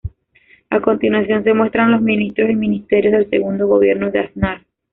A continuación se muestran los ministros y ministerios del segundo Gobierno de Aznar.